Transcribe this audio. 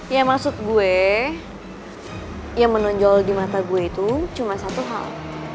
ya maksud gue yang menonjol di mata gue itu cuma satu hal